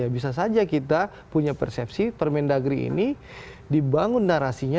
bisa saja kita punya persepsi permendagri ini dibangun narasinya